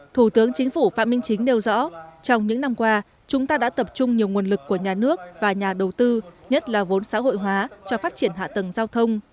thủ tướng chính phủ phạm minh chính nêu rõ trong những năm qua chúng ta đã tập trung nhiều nguồn lực của nhà nước và nhà đầu tư nhất là vốn xã hội hóa cho phát triển hạ tầng giao thông